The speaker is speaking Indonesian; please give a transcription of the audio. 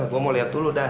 gue mau liat dulu dah